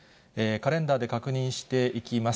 カレンダーで確認していきます。